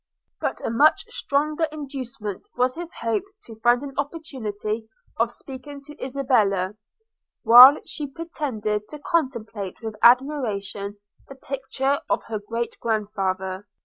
But a much stronger inducement was his hope to find an opportunity of speaking to Isabella, while he pretended to contemplate with admiration the picture of her great grandfather.